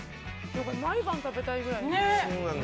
毎晩、食べたいくらい。